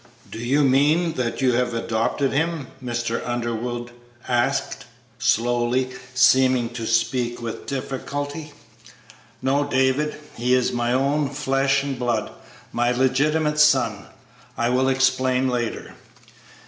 "Do you mean that you have adopted him?" Mr. Underwood asked, slowly, seeming to speak with difficulty. "No, David; he is my own flesh and blood my legitimate son; I will explain later."